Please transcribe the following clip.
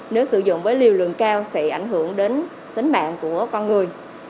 nếu sử dụng với liều lượng cao sẽ ảnh hưởng đến tính mạng của con người